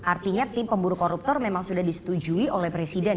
artinya tim pemburu koruptor memang sudah disetujui oleh presiden ya pak ya